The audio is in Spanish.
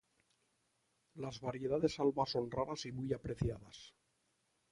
Las variedades Alba son raras y muy apreciadas.